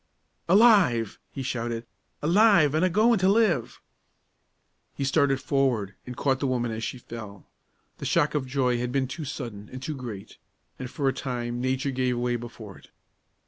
"Alive!" he shouted. "Alive, an' a goin' to live!" He started forward, and caught the woman as she fell. The shock of joy had been too sudden and too great, and for a time nature gave way before it.